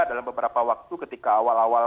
dalam beberapa waktu ketika awal awal